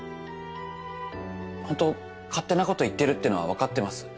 ホント勝手なこと言ってるってのは分かってます。